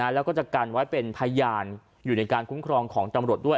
แล้วก็จะกันไว้เป็นพยานอยู่ในการคุ้มครองของตำรวจด้วย